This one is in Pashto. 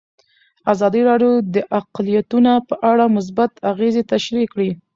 ازادي راډیو د اقلیتونه په اړه مثبت اغېزې تشریح کړي.